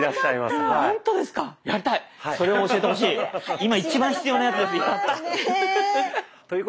今一番必要なやつです。